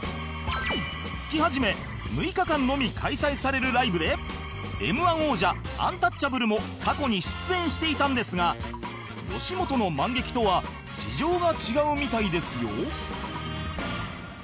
月初め６日間のみ開催されるライブで Ｍ−１ 王者アンタッチャブルも過去に出演していたんですが吉本のマンゲキとは事情が違うみたいですよ